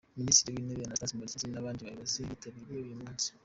Minisitiri w’Intebe, Anastase Murekezi n’abandi bayobozi bitabiriye uyu munsi.